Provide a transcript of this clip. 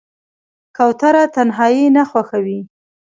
کوتره تنهایي نه خوښوي.